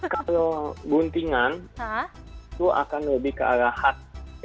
kalau guntingan itu akan lebih ke arah hat